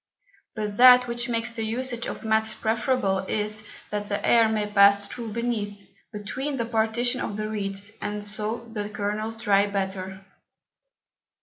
But that which makes the Usage of Mats preferable, is, that the Air may pass through beneath, between the Partition of the Reeds, and so dry the Kernels better.